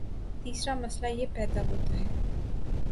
تیسرامسئلہ یہ پیدا ہوتا ہے